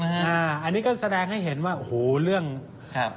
อันนี้ก็แสดงให้เห็นว่า